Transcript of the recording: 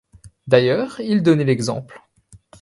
D’ailleurs, il donnait l’exemple.